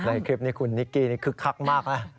ในคลิปนี้คุณนิกกี้นี่คึกคักมากนะ